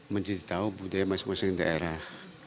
menjadi tahu budaya masing masing daerah